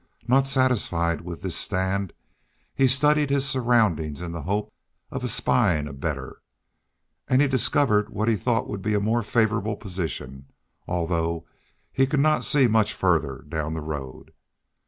Not satisfied with this stand, he studied his surroundings in the hope of espying a better. And he discovered what he thought would be a more favorable position, although he could not see much farther down the road.